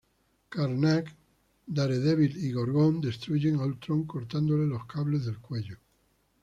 Karnak, Daredevil y Gorgon destruyen a Ultron cortándole los cables del cuello.